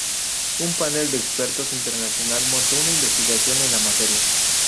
Un panel de expertos internacional montó una investigación en la materia.